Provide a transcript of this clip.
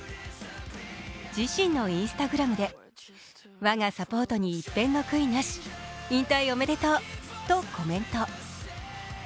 自身のＩｎｓｔａｇｒａｍで「我がサポートに一片の悔いなし！！！引退おめでとう」とコメント。